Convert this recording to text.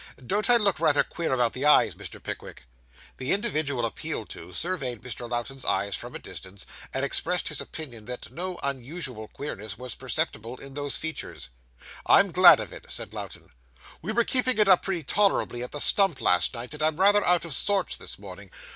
Don't I look rather queer about the eyes, Mr. Pickwick?' The individual appealed to, surveyed Mr. Lowten's eyes from a distance, and expressed his opinion that no unusual queerness was perceptible in those features. 'I'm glad of it,' said Lowten. 'We were keeping it up pretty tolerably at the Stump last night, and I'm rather out of sorts this morning.